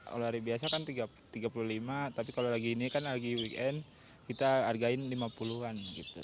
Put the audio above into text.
kalau hari biasa kan tiga puluh lima tapi kalau lagi ini kan lagi weekend kita hargai lima puluh an gitu